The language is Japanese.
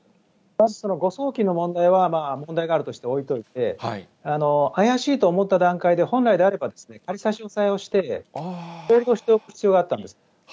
まずその誤送金の問題は問題があるとして置いておいて、怪しいと思った段階で、本来であれば、仮差押えをして、をしておく必要があったんです。